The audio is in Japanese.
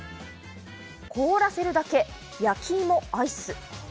凍らせるだけ焼き芋アイス。